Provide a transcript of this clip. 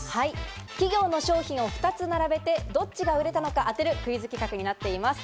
企業の商品を２つ並べてどっちが売れたのか当てるクイズ企画になっています。